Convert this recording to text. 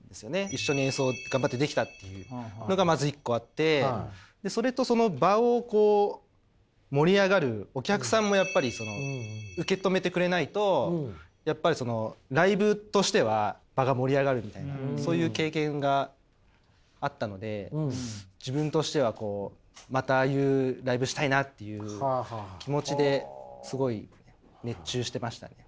一緒に演奏頑張ってできたっていうのがまず一個あってそれとその場をこう盛り上がるお客さんもやっぱり受け止めてくれないとやっぱりそのライブとしては場が盛り上がるみたいなそういう経験があったので自分としてはこうまたああいうライブしたいなっていう気持ちですごい熱中してましたね。